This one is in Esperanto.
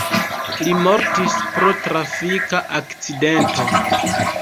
Li mortis pro trafika akcidento.